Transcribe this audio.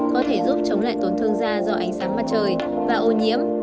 có thể giúp chống lại tổn thương da do ánh sáng mặt trời và ô nhiễm